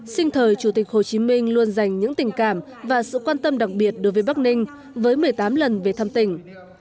sinh thời chủ tịch hồ chí minh luôn dành những tình cảm và sự quan tâm đặc biệt đối với bắc ninh với một mươi tám lần về thăm tỉnh